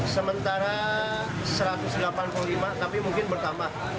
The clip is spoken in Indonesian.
sementara satu ratus delapan puluh lima tapi mungkin bertambah